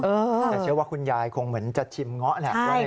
แต่เชื่อว่าคุณยายคงเหมือนจะชิมเงาะแหละ